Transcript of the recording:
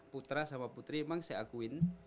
putra sama putri memang saya akuin